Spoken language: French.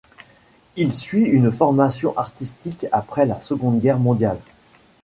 Il suit une formation artistique après la Seconde Guerre mondiale.